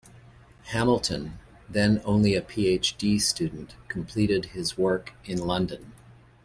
Hamilton, then only a PhD student, completed his work in London.